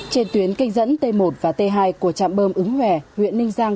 trên tuyến canh dẫn t một và t hai của trạm bơm ứng hòe huyện ninh giang